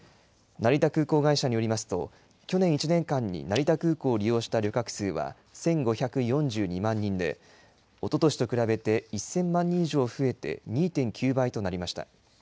成田空港会社によりますと、去年１年間に成田空港を利用した旅客数は１５４２万人で、おととしと比べて１０００万人以上増えて、２．９倍となりました。